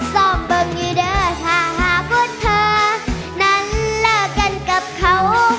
ส้อมเบิ้งอยู่เด้อท่าหาพุทธเธอนั้นเลิกกันกับเขา